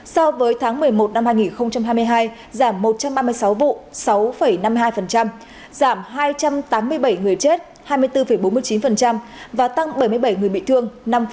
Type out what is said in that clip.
so với tháng một mươi một năm hai nghìn hai mươi hai giảm một trăm ba mươi sáu vụ sáu năm mươi hai giảm hai trăm tám mươi bảy người chết hai mươi bốn bốn mươi chín và tăng bảy mươi bảy người bị thương năm ba